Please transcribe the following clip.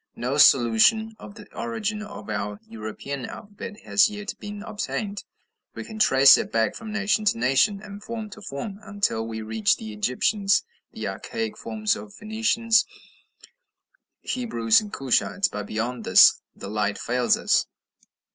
No solution of the origin of our European alphabet has yet been obtained: we can trace it back from nation to nation, and form to form, until we reach the Egyptians, and the archaic forms of the Phoenicians, Hebrews, and Cushites, but beyond this the light fails us.